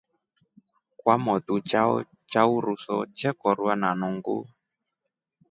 Kwamotu chao cha uruso chekorwa na nungu.